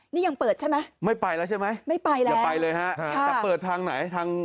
นี่ยังเปิดใช่ไหมไม่ไปแล้วใช่ไหมอย่าไปเลยฮะแต่เปิดทางไหน